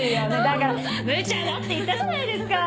だからむちゃだって言ったじゃないですか。